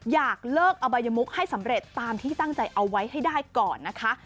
อยากเลิกอบัยมุกให้สำเร็จตามที่ตั้งใจเอาไว้ให้ได้ก่อนนะคะ